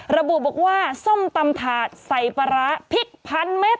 ระบุบอกว่าส้มตำถาดใส่ปลาร้าพริกพันเม็ด